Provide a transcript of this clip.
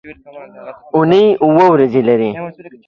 اونۍ اووه ورځې لري.